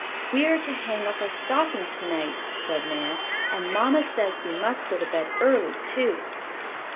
"We are to hang up our stockings to night," said Nan. "And mamma says we must go to bed early, too."